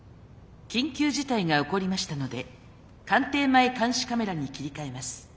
緊急事態が起こりましたので官邸前監視カメラに切り替えます。